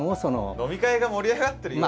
飲み会が盛り上がってる様子を。